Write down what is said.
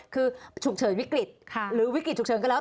คือฉุกเฉินวิกฤตหรือวิกฤตฉุกเฉินก็แล้ว